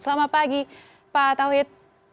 selamat pagi pak tauhid